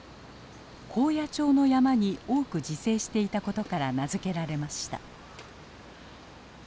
高野町の山に多く自生していたことから名付けられました。